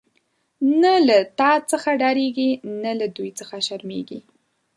نه له تا څخه ډاریږی، نه له دوی څخه شرمیږی